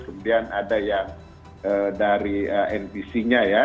kemudian ada yang dari npc nya ya